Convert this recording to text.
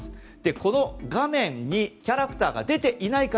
この画面にキャラクターが出ていない方。